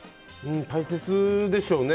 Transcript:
大切でしょうね。